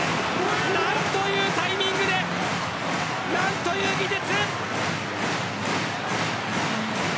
なんというタイミングでなんという技術。